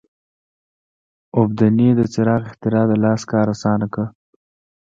اوبدنې د څرخ اختراع د لاس کار اسانه کړ.